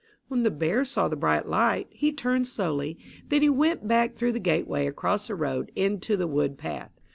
When the bear saw the bright light, he turned slowly; then he went back through the gateway across the road, into the wood path.